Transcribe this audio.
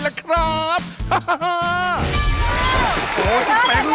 ทรมานแทนแล้วครับ